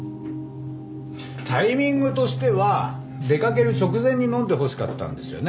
タイミングとしては出かける直前に飲んでほしかったんですよね？